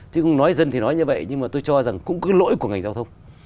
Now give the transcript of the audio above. chứ không nói dân thì nói như vậy nhưng mà tôi cho rằng cũng cái lỗi của ngành giao thông